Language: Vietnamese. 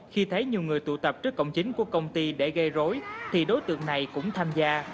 khi thấy nhiều người tụ tập trước cổng chính của công ty để gây rối thì đối tượng này cũng tham gia